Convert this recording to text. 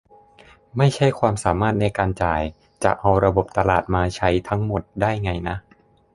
ไม่ใช่ความสามารถในการจ่าย จะเอาระบบตลาดมาใช้ทั้งหมดได้ไงนะ